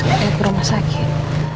saya ke rumah sakit